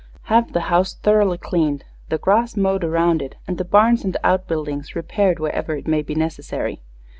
Have the house thoroughly cleaned, the grass mowed around it and the barns and outbuildings repaired wherever it may be necessary.